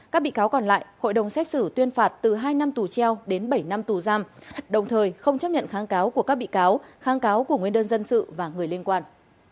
các bị cáo còn lại hội đồng xét xử tuyên phạt từ hai năm tù treo đến bảy năm tù giam đồng thời không chấp nhận kháng cáo của các bị cáo kháng cáo của nguyên đơn dân sự và người liên quan